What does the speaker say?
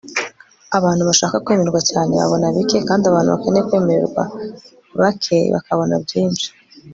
abantu bashaka kwemerwa cyane babona bike kandi abantu bakeneye kwemererwa bake bakabona byinshi